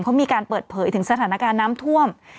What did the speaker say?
เขามีการเปิดเผยถึงสถานการณ์น้ำท่วม